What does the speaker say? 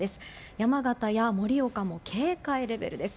山形や盛岡も警戒レベルです。